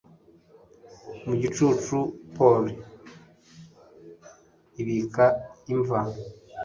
Mu gicuku pulleys ibika imva.